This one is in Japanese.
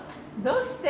どうして？